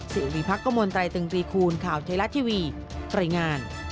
สิริภักษ์กระมวลไตรตึงปีคูณข่าวไทยรัฐทีวีตรายงาน